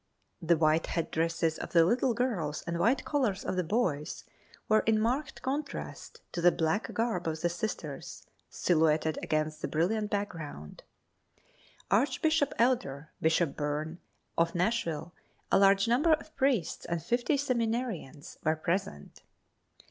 The white head dresses of the little girls and white collars of the boys were in marked contrast to the black garb of the Sisters, silhouetted against the brilliant background. Archbishop Elder, Bishop Byrne, of Nashville, a large number of priests and fifty seminarians were present.